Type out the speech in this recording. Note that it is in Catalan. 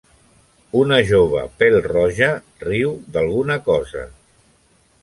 Una jove pèl-roja riu d'alguna cosa.